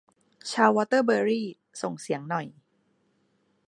ชาววอเตอร์เบอรี่ ส่งเสียงหน่อย